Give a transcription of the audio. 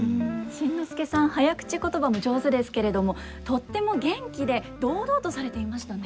新之助さん早口言葉も上手ですけれどもとっても元気で堂々とされていましたね。